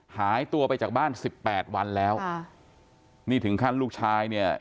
หายตัวไปจากบ้านสิบแปดวันแล้วค่ะนี่ถึงขั้นลูกชายเนี่ย